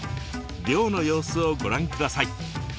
漁の様子をご覧ください。